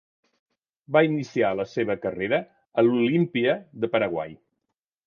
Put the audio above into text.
Va iniciar la seva carrera a l'Olimpia de Paraguay.